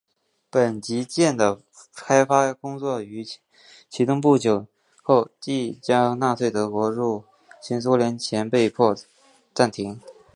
本级舰的开发工作于启动不久后即因纳粹德国入侵苏联而被迫暂停。